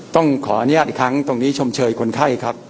ต้องขออนุญาตอีกครั้งตรงนี้ชมเชยคนไข้ครับ